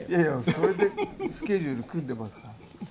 それでスケジュール組んでますから。